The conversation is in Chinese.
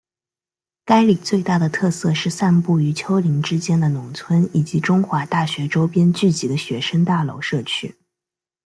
该里最大的特色是散布于丘陵之间的农村以及中华大学周边聚集的学生大楼社区。